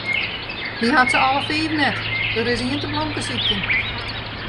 Hy hat se alle fiif net, der is ien te blomkesykjen.